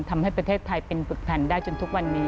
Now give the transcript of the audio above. ทำให้ประเทศไทยเป็นปึกแผ่นได้จนทุกวันนี้